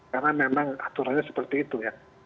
karena memang aturannya seperti itu